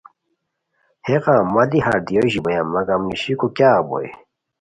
ہے غم مہ دی ہردیو ژیبویان مگم نیشیکو کیاغ بوئے